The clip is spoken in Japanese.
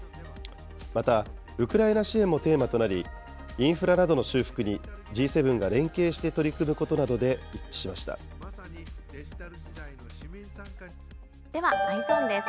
また、ウクライナ支援もテーマとなり、インフラなどの修復にＧ７が連携して取り組むことなどで一では、Ｅｙｅｓｏｎです。